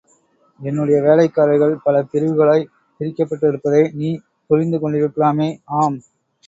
என்னுடைய வேலைக்காரர்கள் பல பிரிவுகளாய்ப் பிரிக்கப்பட்டிருப்பதை நீ புரிந்து கொண்டிருக்கலாமே! ஆம்!